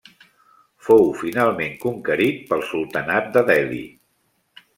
Fou finalment conquerit pel Sultanat de Delhi.